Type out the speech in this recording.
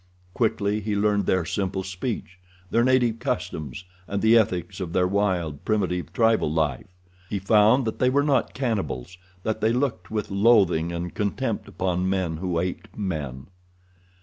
Quickly he learned their simple speech, their native customs, and the ethics of their wild, primitive tribal life. He found that they were not cannibals—that they looked with loathing and contempt upon men who ate men.